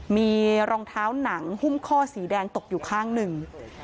มีรองเท้าหนังหุ้มข้อสีแดงตกอยู่ข้างหนึ่ง